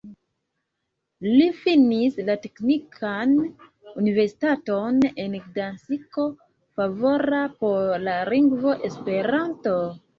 Li finis la Teknikan Universitaton en Gdansko, favora por la lingvo Esperanto.